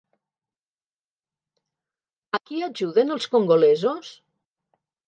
A qui ajuden els congolesos?